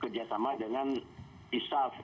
kerjasama dengan isaf